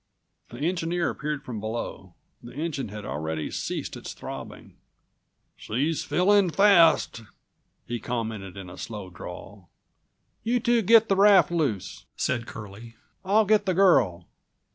The engineer appeared from below. The engine had already ceased its throbbing. "She's fillin' fast," he commented in a slow drawl. "You two get the raft loose," said Curlie. "I'll get the girl."